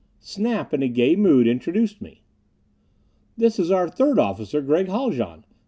Snap, in a gay mood, introduced me. "This is our third officer, Gregg Haljan.